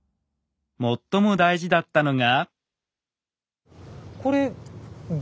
最も大事だったのが。